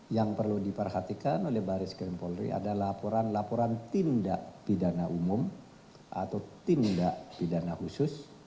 yang perlu diperhatikan oleh baris krim polri adalah laporan laporan tindak pidana umum atau tindak pidana khusus